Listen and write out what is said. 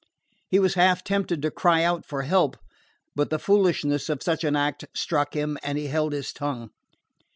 He was half tempted to cry out for help; but the foolishness of such an act struck him, and he held his tongue.